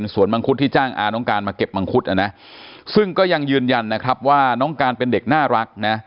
ส่วนมังคุดที่จ้างอาน้องการมาเก็บมังคุดนะซึ่งก็ยังยืนยันนะครับว่าน้องการเป็นเด็กน่ารักนะ